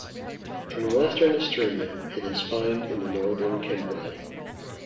In Western Australia it is found in the northern Kimberley.